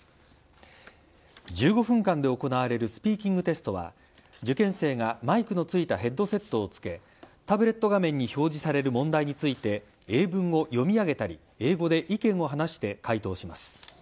１５分間で行われるスピーキングテストは受験生がマイクの付いたヘッドセットをつけタブレット画面に表示される問題について英文を読み上げたり英語で意見を話して解答します。